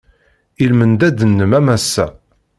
I lmendad-nnem a Massa!